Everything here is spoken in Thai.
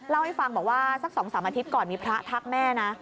เล่าให้ฟังบอกว่าสัก๒๓อาทิตย์ก่อนมีพระทักแม่นะ